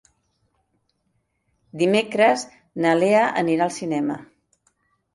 Dimecres na Lea anirà al cinema.